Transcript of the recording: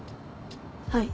はい。